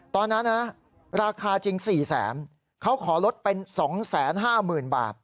ตอนนั้นราคาจริง๔๐๐๐๐๐บาทเขาขอลดเป็น๒๕๐๐๐๐บาท